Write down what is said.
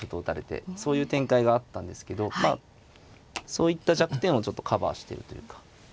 そういう展開があったんですけどそういった弱点をちょっとカバーしてるというか。